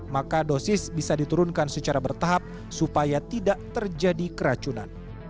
maka dosis bisa diturunkan secara bertahap supaya tidak terjadi keracunan